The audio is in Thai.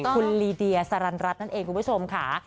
คุณลีเดียสรรรัสนั่นเองคุณผู้ชมค่ะ